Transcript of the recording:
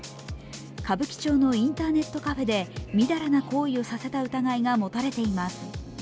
歌舞伎町のインターネットカフェでみだらな行為をさせた疑いが持たれています。